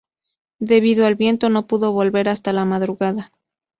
Debido al viento, no pudo volver hasta la madrugada.